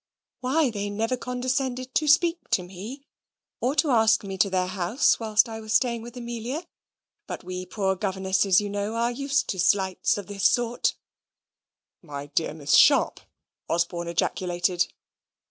"Why, they never condescended to speak to me, or to ask me into their house, whilst I was staying with Amelia; but we poor governesses, you know, are used to slights of this sort." "My dear Miss Sharp!" Osborne ejaculated.